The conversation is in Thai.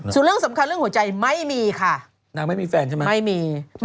ส่วนสำคัญสิ่งหัวใจไม่มีค่ะ